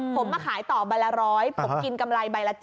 ผมมาขายต่อใบละ๑๐๐ผมกินกำไรใบละ๗๐